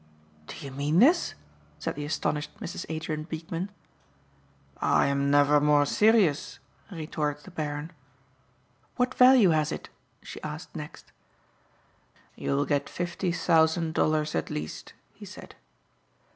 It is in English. "Do you mean this?" said the astonished Mrs. Adrien Beekman. "I am never more serious," retorted the Baron. "What value has it?" she asked next. "You will get fifty thousand dollars at least," he said.